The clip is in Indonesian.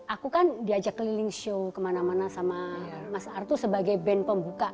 aku kan diajak keliling show kemana mana sama mas artu sebagai band pembuka